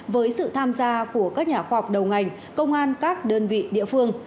với sự tham gia của các nhà khoa học đầu ngành công an các đơn vị địa phương